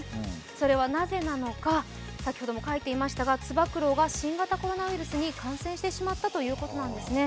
それはなぜなのか先ほども書いていましたが、つば九郎が新型コロナウイルスに感染してしまったということなんです。